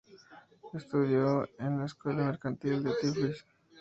Estudió en la escuela mercantil de Tiflis.